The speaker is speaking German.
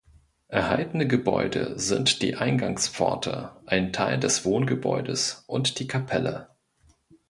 Erhaltene Gebäude sind die Eingangspforte, ein Teil des Wohngebäudes und die Kapelle.